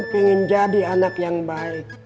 ingin jadi anak yang baik